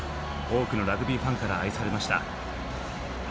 多くのラグビーファンから愛されました。